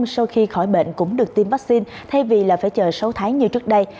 sau khi khỏi bệnh cũng được tiêm vaccine thay vì là phải chờ sáu tháng như trước đây